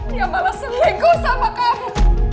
dia malah selinggo sama kamu